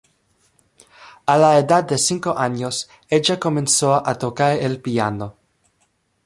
A la edad de cinco años, ella comenzó a tocar el piano.